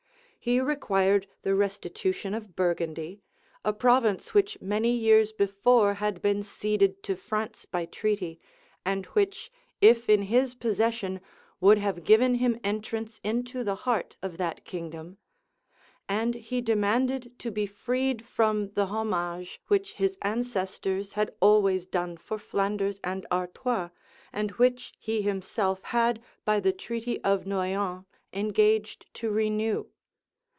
He required the restitution of Burgundy, a province which many years before had been ceded to France by treaty, and which, if in his possession, would have given him entrance into the heart of that kingdom: and he demanded to be freed from the homage which his ancestors had always done for Flanders and Artois, and which he himself had by the treaty of Noyon engaged to renew.